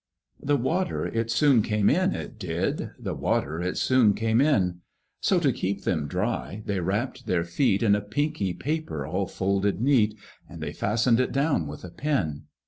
The water it soon came in, it did, The water it soon came in; So to keep them dry, they wrapped their feet In a pinky paper all folded neat, And they fastened it down with a pin.